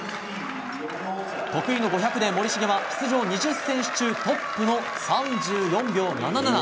得意の５００で森重は出場２０選手中トップの３４秒７７。